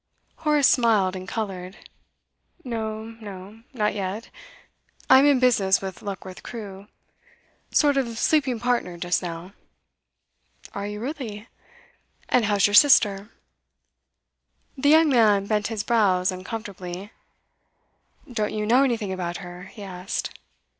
Horace smiled and coloured. 'No, no not yet. I'm in business with Luckworth Crewe, sort of sleeping partner just now.' 'Are you really? And how's your sister?' The young man bent his brows uncomfortably. 'Don't you know anything about her?' he asked.